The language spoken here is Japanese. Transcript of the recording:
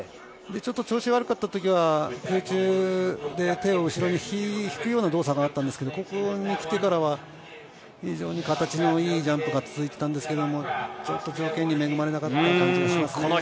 ちょっと調子悪かったときは空中で手を後ろに引くような動作があったんですけど、ここに来てからは非常に形のいいジャンプが続いていたんですけれども、ちょっと条件に恵まれなかった感じですね。